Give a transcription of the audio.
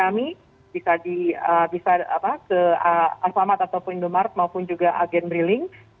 misalnya resmi kami bisa ke alfamat ataupun indomaret maupun juga agen briling